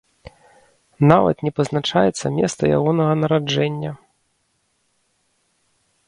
Нават не пазначаецца месца ягонага нараджэння.